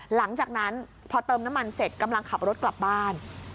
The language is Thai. หลังจากนั้นพอเติมน้ำมันเสร็จกำลังขับรถกลับบ้าน